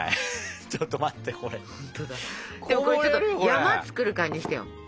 山作る感じにしてよ